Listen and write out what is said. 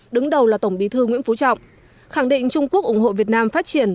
đứng đầu là tổng bí thư nguyễn phú trọng khẳng định trung quốc ủng hộ việt nam phát triển